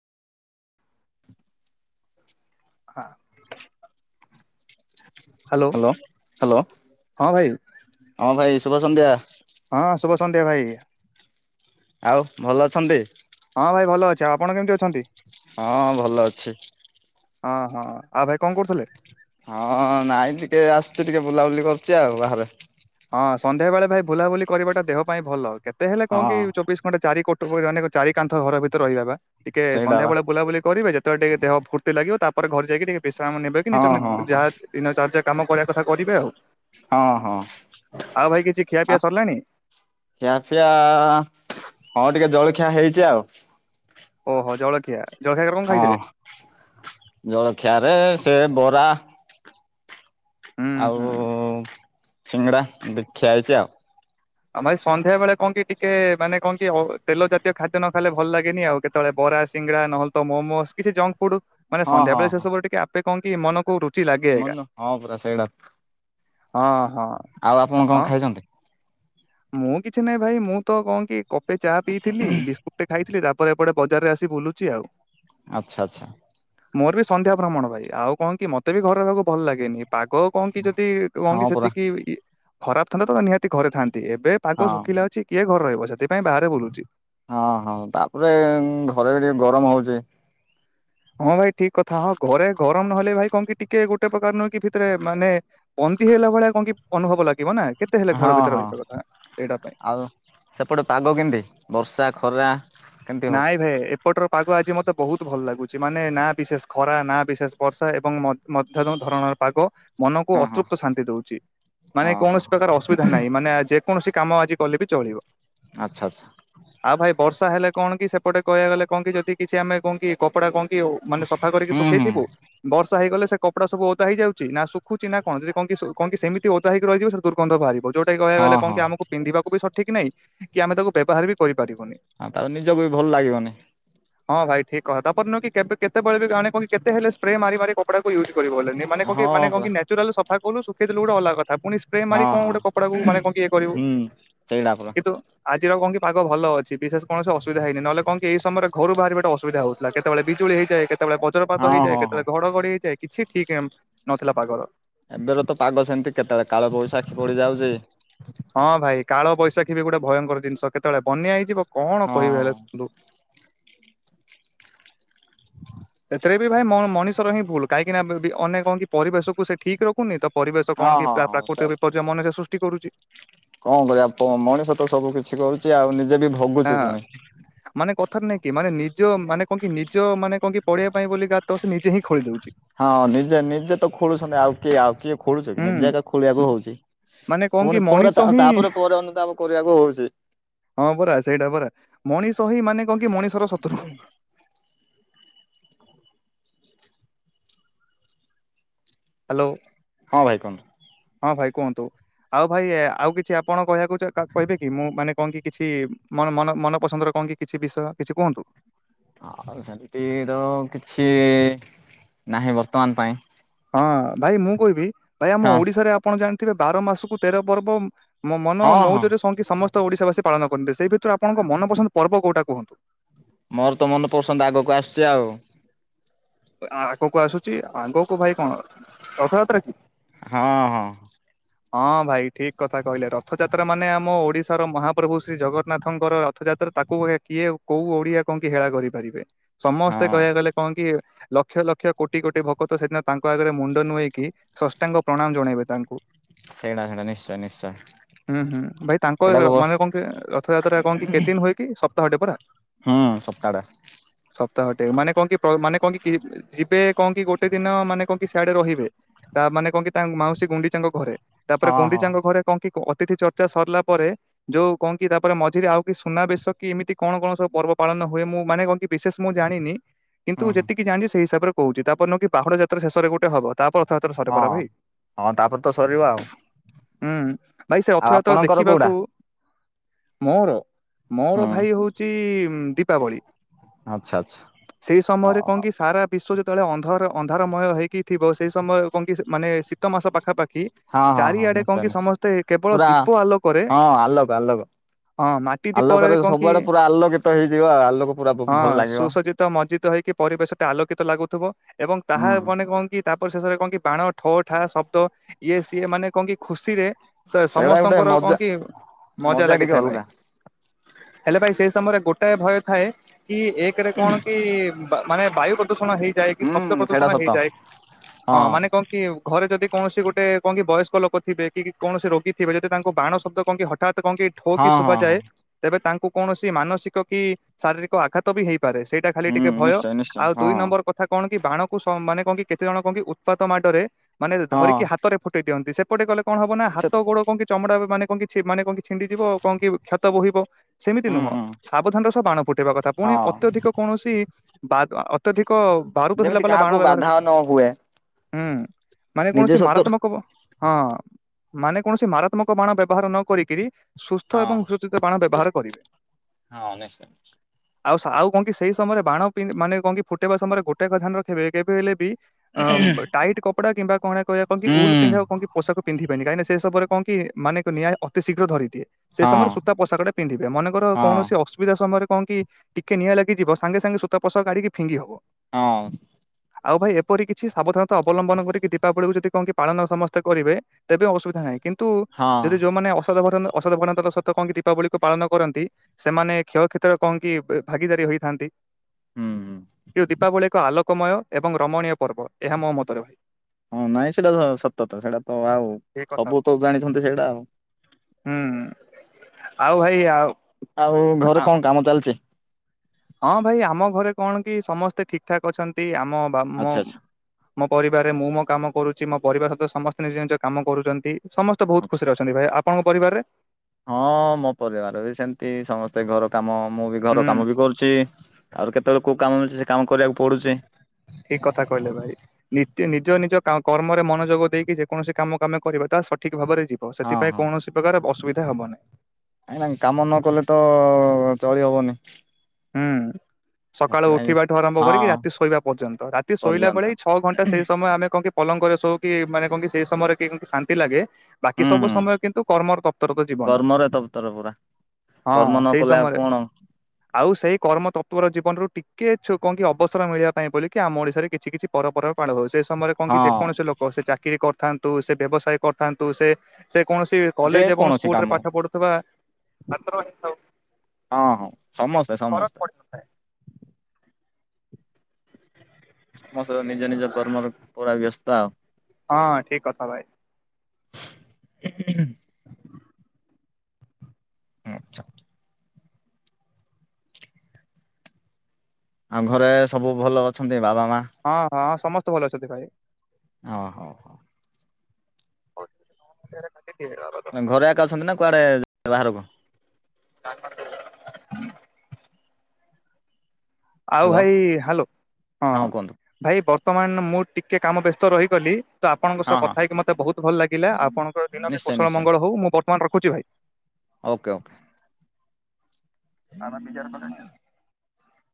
[inaudible] ହଁ hello hello. ଭାଇ ହଁ ଭାଇ ସୁଭ ସନ୍ଧ୍ୟା। ହଁ ଶୁଭ ସନ୍ଧ୍ୟା ଭାଇ। ଆଉ ଭଲ ଅଛନ୍ତି। ହଁ ଭାଇ ଭଲ ଅଛ। ଆଉ ଆପଣ କେମିତି ଅଛନ୍ତି? ହଁ ଭଲ ଅଛି। ହଁ ହଁ ଆଉ ଭାଇ କଣ କରୁଥିଲେ? ହଁ ନାଇଁ ଟିକେ ଆସୁଛି ଟିକେ ବୁଲାବୁଲି କରୁଛି ଆଉ ବାହାରେ। ହଁ ସନ୍ଧ୍ୟା ବେଳେ ଭାଇ ଭ ବୁଲାବୁଲି କରିବା ଟା ଦେହ ପାଇଁ ଭଲ। କେତେ ହେଲେ କଣ କି ହଁ ଚବିଶି ଘଣ୍ଟେ ଚାରି କୋ [unintelligible] ଚାରି କାନ୍ଥ ଘର ଭିତରେ ରହିବା ବା। ଟିକେ ସେଇଟା ସନ୍ଧ୍ୟା ବା। ବଳେ ବୁଲାବୁଲି କରିବେ ଯେ ତ ଟିକେ ଦେହ ଫୁର୍ତ୍ତି ଲାଗିବ, ତାପରେ ଘରେ ଯାଇକିି ଟିକେ ବିଶ୍ରାମ ନେବେ। ହଁ ହଁ [unintelligible] ହଁ ଯାହା [unintelligible] କାମ କରିବା କଥା କରିବେ ଆଉ। ହଁ ହଁ। ଆଉ ଭାଇ କିଛି ଖିଆ ପିଆ ସରିଲାଣି? ଖିଆପିଆ ହଁ ଟିକେ ଜଳଖିଆ ହେଇଚି ଆଉ। ଓହୋ ଜଳଖିଆ। ଜଳଖିଆ କଣ ହଁ ଖାଇଥିଲେ? ଜଳଖିଆରେ ସେ ବରା ହୁଁ ଆଉ ହୁଁ ସିଙ୍ଗଡା ଏମିତି ଖିଆ ହେଇଚି ଆଉ। ଆଉ ଭାଇ ସନ୍ଧ୍ୟା ବେଳେ କଣ କି ଟିକେ ମାନେ କଣ କି ତେଲ ଜାତୀୟ ଖାଦ୍ୟ ନ ଖାଇଲେ ଭଲ ଲାଗେନି ଆଉ। କେ ତେବେଳେ ବରା, ସିଙ୍ଗଡ଼ା, ନହେଲେ ତ ମୋମୋ, କିଛି ଜଙ୍କ୍ ଫୁଡ। ମାନେ ହଁ ସନ୍ଧ୍ୟା ହଁ ବେଳେ ହଁ ଶେଷ ପରେ ଟିକେ ଆପେ କଣ କି ମନକୁ ରୁଚି ଲାଗେ ଏ ଏକା। ମନୁ ହଁ ପୁରା ସେଇଟା ହଁ ହଁ। ଆଉ ଆପଣ କଣ ହଁ ଖାଇଛନ୍ତି? ମୁଁ କିଛି ନାହିଁ ଭାଇ। ମୁଁ ତ କଣ କି କପେ ଚା ପିଇଥିଲି, ବିସ୍କୁଟେ ଖାଇଥିଲି, ତାପ ପରେ ଏପଟେ ବଜାରରେ ଆସି ବୁଲୁଚି ଆଉ। ଆଚ୍ଛା ଆଚ୍ଛା। ମୋର ବି ସନ୍ଧ୍ୟା ଭ୍ରମଣ ଭାଇ। ଆଉ କଣ କି ମତେ ବି ଘରେ ହେବାକୁ ଭଲ ଲାଗେନି। ପାଗ କଣ କି ଯଦି କଣ ହଁ କି ପରା। ସେତିକି ଖରାପ ଥାନ୍ତା ତ ନିହାତି ଘରେ ଥାଆନ୍ତି। ଏବେ ପାଗ ହଁ ଶୁଖିଲା ଅଛି। କିଏ ଘରେ ରହିବ? ସେଥିପାଇଁ ବାହାରେ ବୁଲୁଚି। ହଁ ହଁ ତାପରେ ଘରେ ବି ଟିକେ ଗରମ ହଉଚି। ହଁ ଭାଇ ଠିକ୍ କଥା। ହଁ ଘରେ ଗରମ ନହେଲେ ଭାଇ କଣ କି ଟିକେ ଗୋଟେ ପ୍ରକାର ନୁହଁ କି ଭିତରେ ମାନେ ବନ୍ଦି ହେଲା ଭଳିଆ କଣ କି ଅନୁଭବ ଲାଗିବ ନା। କେତେ ହେଲେ ଘର ହଁ ଭିତରେ ହଁ ରହିବା କଥା ସେଇଟା ପାଇଁ। ଆଉ ସେପଟେ ପାଗ କେମିତି ବର୍ଷା, ଖରା। କେମିତି ହଉଛି? ନାଇଁ ଭାଇ ଏପଟର ପାଗ ଆଜି ମତେ ବହୁତ ଭଲ ଲାଗୁଚି ମାନେ ନା ବିଶେଷ ଖରା, ନା ବିଶେଷ ବର୍ଷା ଏବଂ ମଧ୍ୟମ ଧରଣର ପାଗ ମନକୁ ହଁ ହଁ ଅତୃପ୍ତ ଶାନ୍ତି ଦଉଚି ହଁ ମାନେ ହଁ କୌଣସି ପ୍ରକାର ଅସୁବିଧା ନାହିଁ, ମାନେ ଯେକୌଣସି କାମ ଆଜି କଲେ ବି ଚଳିବ। ଆଚ୍ଛା ଆଚ୍ଛା। ଆଉ ଭାଇ ବର୍ଷା ହେଲେ କଣ କି ସେପଟେ କହିବା ଗଲେ କଣ କି ଯଦି କିଛି ଆମେ କଣ କି କପଡା କଣ କି ମାନେ ସଫା କରିକି ହୁଁ ହୁଁ ଶୁଖେଇଥିବୁ ବର୍ଷା ହେଇଗଲେ ସେ କପଡା ସବୁ ଓଦା ହେଇ ଯାଉଚି ନା ଶୁଖୁଛି, ନା କଣ, ଯଦି କଣ କ ସେମତି ଓଦା ହେଇକି ରହିଯିବ ସେମିତି ଦୁର୍ଗନ୍ଧ ବାହାରିବ। ଯୋଉଟା କି କହିବା ହଁ ଗଲେ କଣ ହଁ। କି ଆମକୁ ପିନ୍ଧିବାକୁ ବି ସଠିକ୍ ନାହିଁ କି ଆମେ ତାକୁ ବ୍ୟବହାର ବି କରିପାରିବୁନି। ହଁ ତା ନିଜକୁ ବି ଭଲ ଲାଗିବନି। ହଁ ଭାଇ ଠିକ୍ କହ। ତାପରେ ନୁଁଅ କି କେତେବେଳେ ବି ଜଣେ କେତେ ହେଲେ ସ୍ପ୍ରେ ମାର ମାର ସେଟାକୁ ୟୁଜ୍ କରିହବନି ମାନେ କଁ କି ହଁ ମାନେ କଁ ପରା କି ନାଚୁରାଲ୍ ସଫା କଲୁ ଶୁଖେଇଦେଲୁ ଗୋଟେ ଅଲଗା କଥା। ପୁଣି ସ୍ପ୍ରେ ମାରି ହଁ କଣ ହଁ ଗୋଟେ କପଡାକୁ ମାନେ କଣ ଇଏ କରିବୁ ହୁଁ। ସେଇଟା ପରା କିନ୍ତୁ ଆଜିର କଣ କି ପାଗ ଭଲ ଅଛି ବିଶେଷ କୌଣସି ଅସୁବିଧା ହେଇିନି ନହେଲେ କଣ କି ଏ ସମୟରେ ଘରୁ ବାହାରିବା ଟା ଅସୁବିଧା ହେଉଥିଲା କେତେବେଳେ ବିଜୁଳି ହେଇ ଯାଏ କେ କେତେବେଳେ ବଜ୍ରପାତ ହଁ ହେଇଯାଏ ହଁ ହଁ କେତେବେଳେ ଘଡଘଡି ହେଇଯାଏ କିଛି ଠିକ୍ ନଥିଲା ପାଗର। ଏବେର ତ ପାଗ ସେମିତି କେତେବେଳେ କାଳ ବୈଶାଖୀ ପଡ଼ିଯାଉଛି। ହଁ ଭାଇ କାଳ ବୈଶାଖୀ ବି ଗୋଟେ ଭୟଙ୍କର ଜିନିଷ କେତେବେଳେ ବନ୍ୟା ହେଇଯିବ କଣ ହଁ କହିବି ହେଲେନ୍ତୁ। ସେଥିରେ ବି ଭାଇ ମ ମଣିଷର ହିଁ ଭୁଲ କାହିଁକିନା ଅନେକ କଣ କି ପରିବେଶକୁ ସେ ଠିକ ରଖୁନି ତ ପରିବେଶ ହଁ କଣ କି ହଁ ହଁ ସେ ପ୍ରାକୃତିକ ବିପର୍ଯ୍ୟୟ ମନରେ ସୃଷ୍ଟି କରୁଛି। କଣ କରିବା ମଣିଷ ତ ସବୁ କିଛି କରୁଛି ଆଉ ନିଜେ ବି ହଁ ଭୋଗୁଛି ପୁଣି। ମାନେ କଥାରେ ନାଇଁ କି ମାନେ ନିଜ ମାନେ କଣ କି ନିଜ ମାନେ କଣ କି ପଡିବା ପାଇଁ ବୋଲି ଗାତ ସେ ନିଜେ ହିଁ ଖୋଲିଳି ଦଉଛି। ହଁ ନିଜେ ନିଜେ ତ ଖୋଳୁଛନ୍ତି ଆଉ କିଏ ଆଉ କିଏ ଖୋଳୁଚ କି ହୁଁ ନିଜେ ଖୋଳିବାକୁ ହଉଛି। ମାନେ କଣ କି ପୁଣି ପରେ ମଣିଷ ହିଁ ତାପରେ ପରେ ଅନୁତାପ କରିବାକୁ ହଉଛି। ହଁ ପରା ସେଇଟା ପରା ମଣିଷ ହି ମାନେ କଣ କି ମଣିଷର ଶତ୍ରୁ। ହ୍ୟାଲୋ। ହଁ ଭାଇ କହ। ହଁ ଭାଇ କୁହନ୍ତୁ ଆଉ ଭାଇ ଆଉ କିଛି ଆପଣ କହିବାକୁ କହିବେ କି ମୁଁ ମାନେ କଣ କି କିଛି ମ ମନପସନ୍ଦର କଣ କି କିଛି ବିଷୟ କିଛି କୁହନ୍ତୁ। ଆଉ ସେମତି ତ କିଛି ନାହିଁ ବର୍ତ୍ତମାନ ପାଇଁ। ହଁ ଭାଇ ମୁଁ କହିବି ଭାଇ ଆମ ହଁ ଓଡିଶାରେ ଆପଣ ଜାଣିଥିବେ ବାର ମାସକୁ ତେର ପର୍ବ ମୋ ମନ ହଁ ହଁ ମଉଜରେ ସ କି ସମସ୍ତେ ଓଡ଼ିଶାବାସୀ ପାଳନ କରନ୍ତିି ସେ ଭିତରୁ ଆପଣଙ୍କ ମନପସନ୍ଦ ପର୍ବ କୋଉଟା କୁହନ୍ତୁ। ମୋର ତ ମନ ପସନ୍ଦ ଆଗକୁ ଆସିଛି ଆଉ। ଆଗକୁ ଆସୁଛି ଆଗକୁ ଭାଇ କଣ ରଥଯାତ୍ରା କି? ହଁ ହଁ। ହଁ ଭାଇ ଠିକ କଥା କହିଲେ ରଥଯାତ୍ରା ମାନେ ଆମ ଓଡିଶାର ମହାପ୍ରଭୁ ଶ୍ରୀ ଜଗନ୍ନାଥଙ୍କର ରଥଯାତ୍ରା ତାକୁ ଏ କିଏ କୋଉ ଓଡିଆ କଣ କି ହେଳା କରିପାରିବେ ସମସ୍ତେ ହଁ। କହିବାକୁ ଗଲେ କଣ କି ଲକ୍ଷ ଲକ୍ଷ କୋଟି କୋଟି ଭକ୍ତ ସେଦିନ ତାଙ୍କ ଆଗରେ ମୁଣ୍ଡ ନୁଆଇକି ସାଷ୍ଟାଙ୍ଗ ପ୍ରଣାମ ଜଣାଇବେ ତାଙ୍କୁ। ସେଇଟା ସେଇଟା ନିଶ୍ଚୟ ନିଶ୍ଚୟ। ହୁଁ ହୁଁ ଭାଇ ତାଙ୍କ ସେଇଟାକୁ ହୁଁ ମାନେ କଣ କି ରଥଯାତ୍ରା କଣ କି କେତଦିନ ହୁଏ କି ସପ୍ତାହଟେ ପରା? ହୁଁ ସପ୍ତାହ ଟେ। ସପ୍ତାହଟେ ମାନେ କଣ କି ମାନେ କଣ କି ଯିବେ କଣ କି ଗୋଟେ ଦିନ ମାନେ କଣ କି ସିଆଡେ ରହିବେ? ତା ମାନେ କଣ କି ତାଙ୍କ ମାଉସୀ ଗୁଣ୍ଡିଚାଙ୍କ ଘରେ ତାପରେ ହଁ ହଁ ଗୁଣ୍ଡିଚାଙ୍କ ଘରେ କଣ କି ଅତିଥି ଚର୍ଚ୍ଚା ସରିଲା ପରେ ଯୋଉ କହଣ କି ତାପରେ ମଝିରେ ଆଉ କି ସୁନାବେେଶ କି ଏମିତି କଣ କଣ ସବୁ ପର୍ବ ପାଳନ ହୁଏ ମୁଁ ମାନେ କଣ କି? ବିଶେଷ ମୁଁ ଜାଣିନି। କିନ୍ତୁ ହୁଁ ହୁଁ। ଯେତିକି ଜାଣିଛି ସେଇିସାବରେ କହୁଛି ତାପରେ ନ କି ବାହୁଡା଼ ଯାତ୍ରା ଶେଷରେ ଗୋଟେ ତାପରେ ରଥଯାତ୍ର ହଁ ସରେପରା ଭାଇ। ହଁ ତାପରେ ତ ସରିବା ଆଉ। ହୁଁ ଭାଇ ସେ ଆଉ ରଥଯାତ୍ରା ଆପଣଙ୍କର କୋଉଟା? ଦେଖିବାକୁ ମୋର ମୋର ହୁଁ ଭାଇ ହଉଛି ଦୀପାବଳି। ଆଚ୍ଛା ଆଚ୍ଛା ସେଇ ସମୟରେ ହଉ କଣ ହଉ କି ସାରା ବିଶ୍ଵ ଯେତେବେଳେ ଅନ୍ଧାର ଅନ୍ଧାରମୟ ହେଇକି ଥିବ ସେଇ ସମୟରେ କଣ କି ମାନେ ତ ମାସ ପାଖାପାଖି ହଁ ହଁ ହଁ ଚାରିଆଡେ କଣ ନିଶ୍ଚୟ କି ନିଶ୍ଚୟ ସମସ୍ତେ କେବଳ ପୁରା ଦୀପ ଆଲୋକରେ ହଁ ଆଲୋକ ଆଲୋକ ହଁ ମାଟି ଆଲୋକରେ ଦୀପରରେ କଣ କି ସବୁଆଡେ ପୁରା ଆଲୋକିତ ହେଇଯିବ ଆଉ ଆଲୋକ ପୁରା ହଁ ଭଲ ଲାଗିବ। ସୁସଜିତ ତ ମର୍ଜିଦ ହେଇକି ପରିବେଶ ଟା ଆଲୋକିତ ଲାଗୁଥିବ। ଏବଂ ତାହା ହୁଁ ମାନେ କଣ କି ତାପରେ ଶେଷରେ କଣ କି ବାଣ ଠ ଠା ଶବ୍ଦ ଇଏ ସିଏ ମାନେ କଣ କି ଖୁସିରେ ସେ ସେଇଟା ଗୋଟେ ସମସ୍ତଙ୍କର ମଜା କଣ କି ମଜା ଟିକେ ଲାଗିଥାଏ ଭାଇ ଅଲଗା। ହେଲେ ଭାଇ ସେଇ ସମୟରେ ଗୋଟାଏ ଭୟ ଥାଏ କି ଏକରେ କଣ କି ମାନେ ବାୟୁ ପ୍ରଦୂଷଣ ହେଇଯାଏ କି ଶବ୍ଦ ହୁଁ ସେଇଟା ପ୍ରଦୂଷଣ ସତ ହେଇଯାଏ ହଁ ମାନେ କଣ କି ଘରେ ଯଦି କୌଣସି ଗୋଟେ ଗୋଟେ କଣ କିି ବୟସ୍କ ଲୋକ ଥିବେ କି କୌଣସି ରୋଗୀ ଥିବେ ଯଦି ତାଙ୍କୁ ବାଣ ଶଦ୍ଦ କଣ କି ହଠାତ୍ କଣ କି ଠୋ କି ହଁ ହଁ ହଁ। ଶୁଭାଯାଏ ତେବେ ତାଙ୍କୁ କୌଣସି ମାନସିକ କି ଶାରୀରିକ ଆଘାତ ବି ହେଇପାରେ ସେଇଟା ଖାଲି ହୁଁ ଟିକେ ଭୟ ନିଶ୍ଚୟ ନିଶ୍ଚୟ ଆଉ ହଁ ଦୁଇ ନମ୍ବର କଥା କଣ କି ବାଣକୁ ମାନେ କଣ କି କେତେ ଜଣ କଣ କି ଉତ୍ପାତ ମାଡରେ ମାନେ ହଁ ଧରିକି ହ ତ ରେ ଫୁଟେଇ ଦିଅନ୍ତି ସେପଟେ ଗଲେ କଣ ହବ ନା ସେ ହାତ ଗୋଡ କଣ କି ଚମଡା ମାନେ କଣ ମାନେ କଣ କି ଛିଣ୍ଡିଯିବ ଆ କଣ କି କ୍ଷତ ବୋହିବ। ସେମିତି ହୁଁ ନୁହଁ ହୁଁ ସାବଧାନ ର ସହ ବାଣ ଫୁଟେଇବା କଥା ପୁଣି ହଁ ଅତ୍ୟଧିକ କୌଣସି ବା ଅତ୍ୟଧିକ ବାରୁଦ ଥିଲା ଯେମିତି ବାଲା ବାଣ କାହାକୁ ବ୍ୟବହାର ବାଧା ନ ହୁଏ ହୁଁ ମାନେ ନିଜେ କୌଣସି ମାର ସତୁର ହଁ ମାନେ କୌଣସି ମାରାତ୍ମକ ବାଣ ବ୍ୟବହାର ନ କରି କିରି ସୁସ୍ଥ ହଁ ଏବଂ ସଜିତ ବାଣ ବ୍ୟବହାର କରିବେ। ହଁ ନିଶ୍ଚୟ ନିଶ୍ଚୟ। ଆଉ ଆଉ କଣ କି ସେଇ ସମୟରେ ବାଣ ମାନେ କଣ କି ଫୁଟେଇବା ସମୟରେ ଗୋଟେ କଥା ଧ୍ୟାନ ରଖବେ କେବେ ହେଲେ ବି ଅ ଟାଇଟ୍ କପଡା କିମ୍ବା କଣ କହିବା କଣ କି ହୁଁ ଉଲ ପିନ୍ଧା କଣ କି ପୋଷାକ ପିନ୍ଧିବେନ କାହିଁକି ସେ ସବରେ କଣ କି ମାନେ ନିଆଁ ଅତି ଶୀଘ୍ର ଧରିଦିଏ। ସେ ହଁ ସମୟରେ ସୂତା ପୋଷାକ ଟା ପିନ୍ଧିବେ ମନେକର ହଁ କୌଣସି ଅସୁବିଧା ସମୟରେ କଣ କି ଟିକେ ନିଆଁ ଲାଗିଯିବ ସାଙ୍ଗେ ସାଙ୍ଗେ ସୂତା ପୋଷାକ କାଢିକି ଫିଙ୍ଗି ହବ। ହଁ। ଆଉ ଭାଇ ଏପରି କିଛି ସାବଧାନତା ଅବଲମ୍ବନ କରିକି ଦୀପାବଳିକୁୁ ଯଦି କଣ କି ପାଳନ ସମସ୍ତେ କରିବେ ତେବେ ଅସୁବିଧା ନାହିଁ କିନ୍ତୁ ହଁ ଯଦି ଯୋଉମାନେ ଅସାବଧାନ ଅସାବଧାନତା ତ ସତ କଣକି ଦୀପାବଳିକୁ ପାଳନ କରନ୍ତି। ସେମାନେ କ୍ଷୟ କ୍ଷତିର କଣ କି ଭାଗିଦାରୀ ହେଇଥାନ୍ତି। ହୁଁ ହୁଁ କିନ୍ତୁ ଦୀପାବଳି ଏକ ଆଲୋକମୟ ଏବଂ ରମଣୀୟ ପର୍ବ ଏହା ମୋ ମତରେ ଭାଇ ହଁ ନାଇଁ ସେଇଟା ସତ ତ ସେଇଟା ତ ଆଉ ଏ କଥା ସବୁ ଭାଇ। ତ ଜାଣିଛନ୍ତି ସେଇଟା ଆଉ। ହୁଁ ଆଉ ଭାଇ ଆଉ ଆଉ ଘରେ ଆ- କଣ କାମ ଚାଲିଛି? ହଁ ଭାଇ ଆମ ଘରେ କଣ କି ସମସ୍ତେ ଠିକ ଠାକ୍ ଅଛନ୍ତି ଆମ ବା ମ ଆଚ୍ଛା ଆଚ୍ଛା ମୋ ପରିବରେ ମୁଁ ମୋ କାମ କରୁଛି ମୋ ପରିବାର ସହିତ ସମସ୍ତେ ନିଜ ନିଜ କାମ କରୁଛନ୍ତି ସମସ୍ତେ ବହୁତ ଆଚ୍ଛା। ଖୁସିରେ ଅଛନ୍ତି। ଭାଇ ଆପଣଙ୍କ ପରିବାରରେ? ହଁ ମୋ ପରିବାର ବି ସେମିତି ସମସ୍ତେ ଘର କାମ ମୁଁ ବି ଘର ହୁଁ କାମ ବି କରୁଛି ଆଉ ରି କେତେବେଳେ କୋଉ କାମ ମିଳଛି ସେ କାମ କରିବାକୁ ପଡ଼ୁଛି। ଠିକ କଥା କହିଲେ ଭାଇ। ନି ନିଜ ନିଜ କର୍ମରେ ମନୋଯୋଗ ଦେଇକି ଯେକୌଣସି କାମ କୁ ଆମେ କରିବା ତାହା ସଠିକ ଭାବରେ ଯିବ ତ ହଁ ସେଥିପାଇଁ କୌଣସି ପ୍ରକାର ଅସୁବିଧା ହବ ନାହିଁ। ନାଇଁ କାମ ନ କଲେ ତ ଚଳି ହବନି। ହୁଁ। ସକାଳୁ ସେଥିପାଇଁ ଉଠିବା ଠୁ ଆରମ୍ଭ କରିକି ହଁ ରାତି ଶୋଇବା ପର୍ଯ୍ୟନ୍ତ ରାତି ଶୋଇଲା ପର୍ଯ୍ୟନ୍ତ ବେଳେ ଛଅ ଘଣ୍ଟା ସେଇ ସମୟ ଆମେ କଣ କି ପଲଙ୍କରେ ଶୋଉ କି ମାନେ କଣ କି ସେଇ ସମୟରେ କି ଶାନ୍ତି ଲାଗେ। ବାକି ହୁଁ ସବୁ ହୁଁ ସମୟ କିନ୍ତୁ କର୍ମର ତପ୍ତରତା ଯିବନ କର୍ମରେ ତରତର ପୁରା। କର୍ମ ହଁ ନ ସେଇ କଲେ ଆଉ ସମୟରେ। କଣ ଆଉ ସେଇ କର୍ମ ତତ୍ଵର ଜୀବନରୁ ଟିକେ କହକି ଅବସର ମିଳିବା, ପାଇଁ ବୋଲିକ କି ଆମ ଓଡିଶାରେ କିଛି କିଛି ପରପର୍ ପାଳ ହଉ ସେ ସମୟରେ କଣ କି ହଁ ଯେକୌଣସି ଲୋକ ସେ ଚାକିରୀ କରିଥାନ୍ତୁ। ସେ ବ୍ୟବସାୟ କରିଥାନ୍ତୁ ସେ ସେ କୌଣସି ଯେ କଲେଜ ଏବଂ କୌଣସି କାମ। ସ୍କୁଲରେ ପାଠ ପଢୁଥିବା ହଁ -ହଁ ସମସ୍ତେ ଫରକ -ସମସ୍ତେ। ପଡିନଥାଏ। ସମସ୍ତ ନିଜ ନିଜ କର୍ମରେ ପୁରା ବ୍ୟସ୍ତ ଆଉ। ହଁ ଠିକ କଥା ଭାଇ। ହଁ। ହୁଁଛ। ଆଉ ଘରେ ସବୁ ଭଲ ଅଛନ୍ତି ବାବା ମା ହଁ ହଁଁ ସମସ୍ତେ ଭଲ ଅଛନ୍ତି ଭାଇ। ଓ ହଉ ହଉ। ହ କି। ଘରେ ଆା ଅଛନ୍ତି ନା କୁଆଡେ ବାହାରକୁ କ [unintelligible] ଆଉ ହ୍ୟାଲୋ ଭାଇ, ହ୍ୟାଲୋ। ହଁ। ଭାଇ ବର୍ତ୍ତମାନ ମୁଁ ଟିକେ କାମ ବ୍ୟସ୍ତ ରହିଗଲି ତ ଆପଣଙ୍କ ହଁ ସହ ହଁ କଥା ହେଇକି ମତେ ବହୁତ ଭଲ ଲାଗିଲା। ଆପଣ ଦିନ ନିଶ୍ଚୟ କୋଶଳ ନିଶ୍ଚୟ ମଙ୍ଗଳ ହଉ ମୁଁ ବର୍ତ୍ତମାନ ରଖୁଛି ଭାଇ। ଓକେ। ଓକେ। ଆମ ବିଜାର ମ।